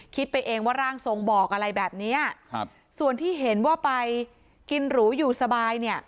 คิดไปเองว่าร่างทรงบอกอะไรแบบเนี้ยครับส่วนที่เห็นว่าไปกินหรูอยู่สบายเนี่ย